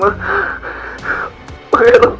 maafin pangeran ma